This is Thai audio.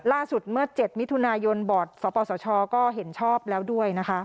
เมื่อ๗มิถุนายนบอร์ดสปสชก็เห็นชอบแล้วด้วยนะคะ